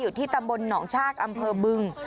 อยู่ที่ตำบลหนองชากอำเภอบึง